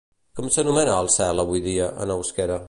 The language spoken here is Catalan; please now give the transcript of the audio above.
Com s'anomena al cel avui dia, en euskera?